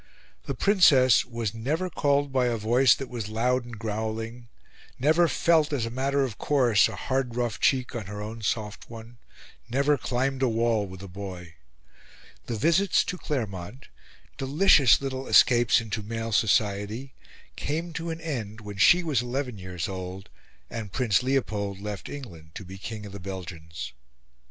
The Princess was never called by a voice that was loud and growling; never felt, as a matter of course, a hard rough cheek on her own soft one; never climbed a wall with a boy. The visits to Claremont delicious little escapes into male society came to an end when she was eleven years old and Prince Leopold left England to be King of the Belgians.